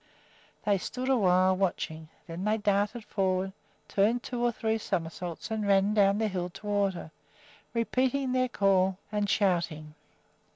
They stood awhile, watching. Then they darted forward, turned two or three somersaults, and ran down the hill toward her, repeating their call and shouting.